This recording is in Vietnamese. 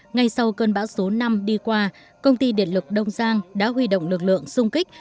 ngay sau cơn bão số năm đi qua công ty điện lực đông giang đã huy động lực lượng sung kích